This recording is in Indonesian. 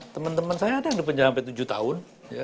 teman teman saya ada yang dipenjara sampai tujuh tahun